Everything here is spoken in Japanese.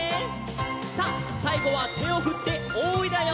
さあさいごはてをふって「おい」だよ！せの！